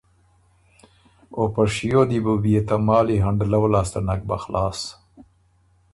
او په شیو دی بو بيې ته مالی هنډلؤ لاسته نک بَۀ خلاص۔